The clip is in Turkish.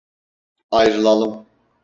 Ayrılalım.